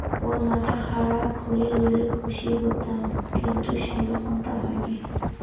ওর মাথা খারাপ হয়ে গেলে খুশিই হতাম, কিন্তু সেরকমটা হয়নি!